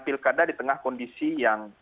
pilkada di tengah kondisi yang